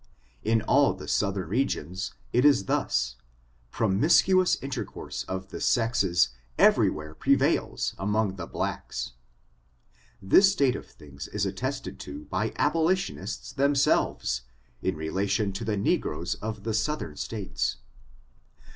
In all the southern regions it is thus ; promiscuous intercourse of the sexes every where prevails among the blacks. This state of things is attested to by abolitionists themselves, in relation to the negroes of the southern states.